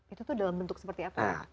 itu tuh dalam bentuk seperti apa